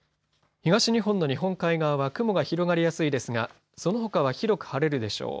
東日本の日本海側は雲が広がりやすいですがそのほかは、広く晴れるでしょう。